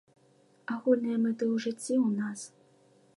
Агульныя мэты ў жыцці ў нас.